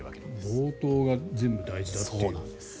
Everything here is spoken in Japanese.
冒頭が全部大事だということですね。